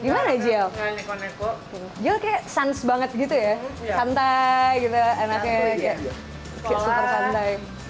mana jiel neko neko shanti's banget gitu ya santai nganggek nana